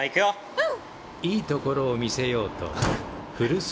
うん。